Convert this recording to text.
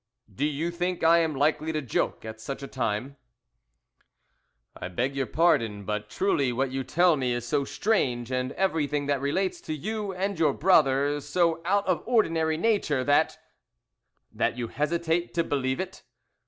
"Do you think I am likely to joke at such a time?" "I beg your pardon. But truly what you tell me is so strange, and everything that relates to you and your brother so out of ordinary nature, that " "That you hesitate to believe it.